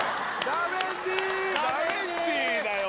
ダメンディーだよ